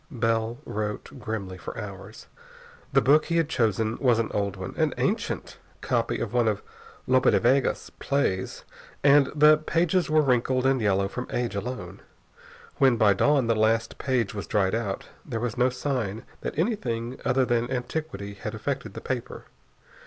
Bell wrote grimly for hours. The book he had chosen was an old one, an ancient copy of one of Lope de Vega's plays, and the pages were wrinkled and yellow from age alone. When, by dawn, the last page was dried out, there was no sign that anything other than antiquity had affected the paper.